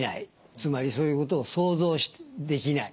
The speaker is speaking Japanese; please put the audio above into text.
つまりそういうことを想像できない。